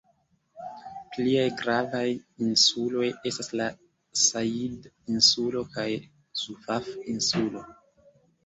Pliaj gravaj insuloj estas la Sajid-insulo kaj Zufaf-insulo.